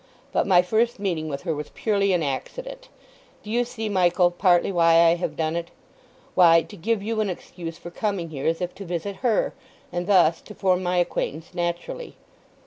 But my first meeting with her was purely an accident. Do you see, Michael, partly why I have done it?—why, to give you an excuse for coming here as if to visit her, and thus to form my acquaintance naturally.